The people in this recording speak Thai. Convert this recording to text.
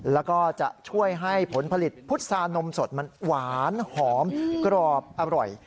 แล้วก็จะช่วยให้ผลผลิตพุษานมสดมันหวานหอมกรอบอร่อย